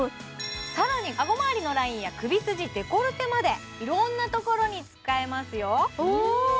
更に顎周りのラインや首筋デコルテまでいろんなところに使えますよお！